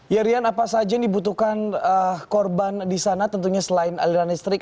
ya rian apa saja yang dibutuhkan korban di sana tentunya selain aliran listrik